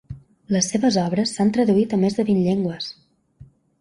Les seves obres s’han traduït a més de vint llengües.